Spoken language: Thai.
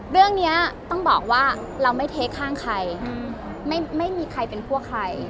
เรื่องนี้ต้องบอกว่าเราไม่เทคข้างใครไม่มีใครเป็นพวกใคร